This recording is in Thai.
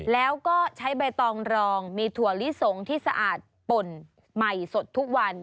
แล้วก็ใช้ใบตองรองมีถั่วลิสงที่สะอาดป่นใหม่สดทุกวัน